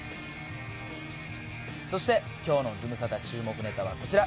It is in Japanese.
そして、きょうのズムサタ注目ネタはこちら。